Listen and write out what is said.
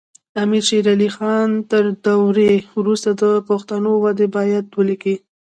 امیر شیر علی خان تر دورې وروسته د پښتو وده باید ولیکي.